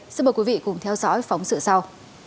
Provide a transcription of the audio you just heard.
xin mời quý vị cùng theo dõi phóng sự sau